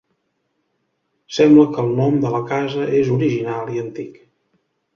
Sembla que el nom de la casa és original i antic.